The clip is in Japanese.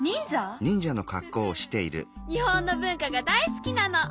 フフッ日本の文化が大好きなの。